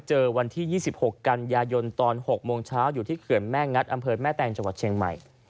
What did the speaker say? วันที่๒๖กันยายนตอน๖โมงเช้าอยู่ที่เขื่อนแม่งัดอำเภอแม่แตงจังหวัดเชียงใหม่